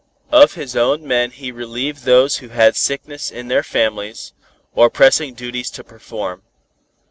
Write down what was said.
Of his own men he relieved those who had sickness in their families, or pressing duties to perform.